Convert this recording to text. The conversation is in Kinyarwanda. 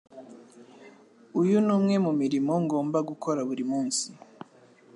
Uyu ni umwe mu mirimo ngomba gukora buri munsi.